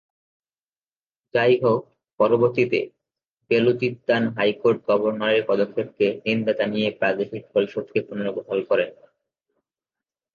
যাইহোক পরবর্তীতে, বেলুচিস্তান হাইকোর্ট গভর্নরের পদক্ষেপকে নিন্দা জানিয়ে প্রাদেশিক পরিষদকে পুনর্বহাল করেন।